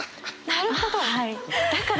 なるほど！